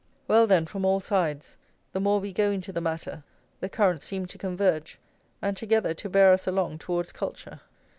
Well, then, from all sides, the more we go into the matter, the currents seem to converge, and together to bear us along towards culture.